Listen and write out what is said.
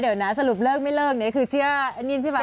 เดี๋ยวนะสรุปเลิกไม่เลิกเนี่ยคือเชื่อไอ้นี่ใช่ไหม